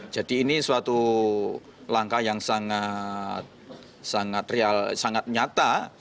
jadi ini suatu langkah yang sangat nyata